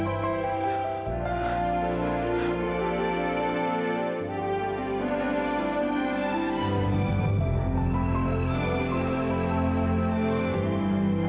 madu gede banget ya